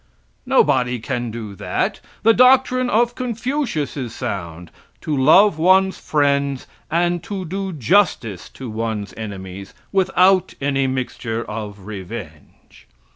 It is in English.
Nobody can do that. The doctrine of Confucius is sound to love one's friends and to do justice to one's enemies without any mixture of revenge.